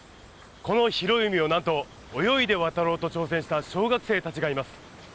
この広い海をなんと泳いで渡ろうと挑戦した小学生たちがいます。